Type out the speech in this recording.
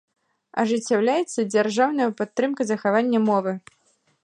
Ажыццяўляецца дзяржаўная падтрымка захавання мовы.